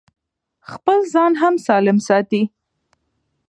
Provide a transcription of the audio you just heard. خپل ځان هم سالم ساتي.